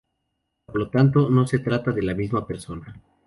Por lo tanto no se trata de la misma persona.